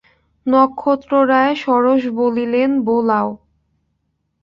নক্ষত্ররায় সরোষে বলিলেন, বোলাও।